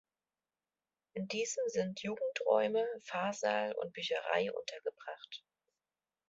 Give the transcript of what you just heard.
In diesem sind Jugendräume, Pfarrsaal und Bücherei untergebracht.